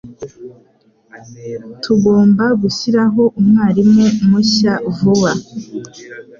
Tugomba gushyiraho umwarimu mushya vuba.